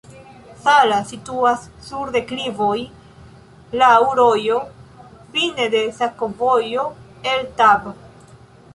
Zala situas sur deklivoj, laŭ rojo, fine de sakovojo el Tab.